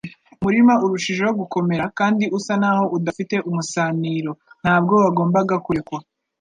Umurima urushijeho gukomera kandi usa naho udafite umusaniro ntabwo wagombaga kurekwa.